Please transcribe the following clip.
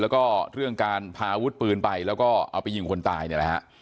แล้วก็เรื่องการพาอาวุธปืนไปแล้วก็เอาไปยิงคนตายเนี่ยนะฮะ